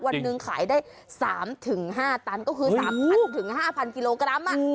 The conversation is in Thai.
วันหนึ่งขายได้๓๕ตันก็คือ๓๐๐๕๐๐กิโลกรัม